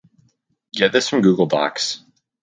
Get this from Google Docs